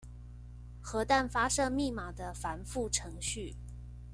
核彈發射密碼的繁複程序